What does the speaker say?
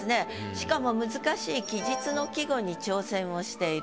しかも難しい忌日の季語に挑戦をしていると。